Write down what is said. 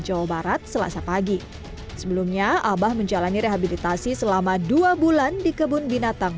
jawa barat selasa pagi sebelumnya abah menjalani rehabilitasi selama dua bulan di kebun binatang